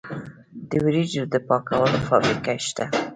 د وریجو د پاکولو فابریکې شته.